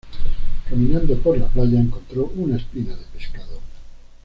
Caminando por la playa encontró una espina de pescado.